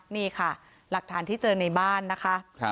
นี่ค่ะหลักฐานที่เจอในบ้านนะคะ